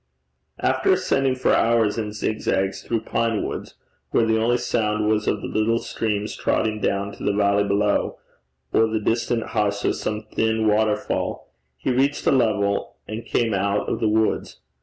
After ascending for hours in zigzags through pine woods, where the only sound was of the little streams trotting down to the valley below, or the distant hush of some thin waterfall, he reached a level, and came out of the woods.